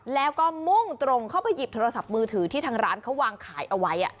แล้วก็มุ่งตรงเข้าไปหยิบโทรศัพท์มือถือที่ทางร้านเขาวางขายเอาไว้